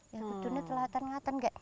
ya kudunya telaten ngaten ya